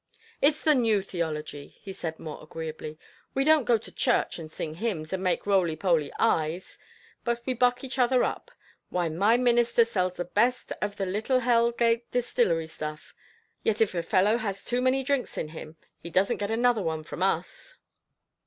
"It's the new theology," he said more agreeably. "We don't go to church, and sing hymns, and make roly poly eyes, but we buck each other up. Why my mister sells the best of the Little Hell Gate Distillery stuff, yet if a fellow has too many drinks in him, he doesn't get another one from us."